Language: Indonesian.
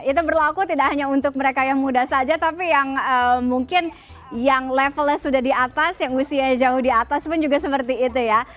itu berlaku tidak hanya untuk mereka yang muda saja tapi yang mungkin yang levelnya sudah di atas yang usianya jauh di atas pun juga seperti itu ya